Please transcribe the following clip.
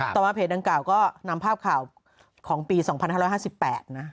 ต่อมาเพจดังกล่าก็นำภาพข่าวของปี๒๕๕๘นะ